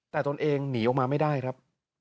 แต่ตนเองหนีออกมาไม่ได้ครับ